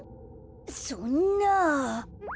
そんな。